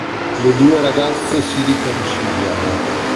Le due ragazze si riconciliano.